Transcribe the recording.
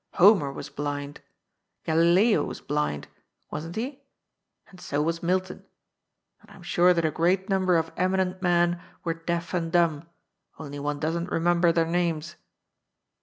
Homer was blind. Galileo was blind — wasn't he ? And so was Milton. And I'm sure that a great number of eminent men were deaf and dumb, only one doesn't remem ber their names.